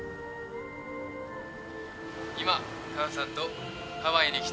今母さんとハワイに来てます。